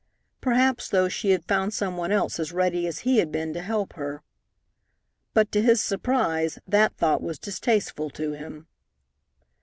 Perhaps, though, she had found some one else as ready as he had been to help her. But, to his surprise, that thought was distasteful to him.